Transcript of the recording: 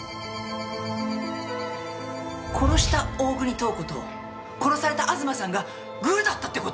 殺した大國塔子と殺された東さんがグルだったって事！？